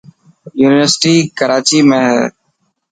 يونيورسٽي ڪراچي ۾ هي.